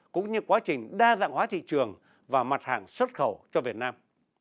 cũng như quá trình đa dạng hóa thị trường và mặt hàng xuất khẩu cho việt nam